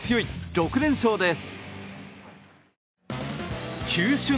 ６連勝です！